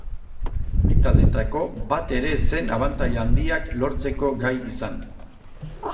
Bi taldeetako bat ere ez zen abantaila handiak lortzeko gai izan.